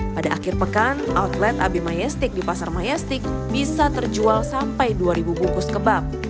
pada akhir pekan outlet ab mayastik di pasar mayastik bisa terjual sampai dua ribu bungkus kebab